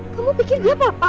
kamu pikir dia papa